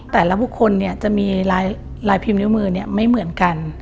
แต่ละบุคคลจะมีลายพิมพ์นิ้วมือไม่เหมือนกัน